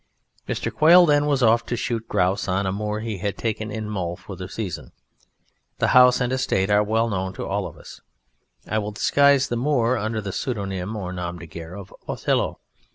Mr. Quail, then, was off to shoot grouse on a moor he had taken in Mull for the season; the house and estate are well known to all of us; I will disguise the moor under the pseudonym or nom de guerre of "Othello".